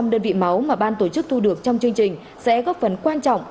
sáu trăm linh đơn vị máu mà ban tổ chức thu được trong chương trình sẽ góp phần quan trọng